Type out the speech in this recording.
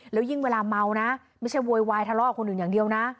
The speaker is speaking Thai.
แล้วยิ่งเวลาเมานะไม่ใช่โวยวายทะเลาะกับคนอื่นอย่างเดียวนะ